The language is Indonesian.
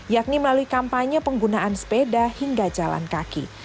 yakni melalui kampanye penggunaan sepeda hingga jalan kaki